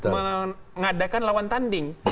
mengadakan lawan tanding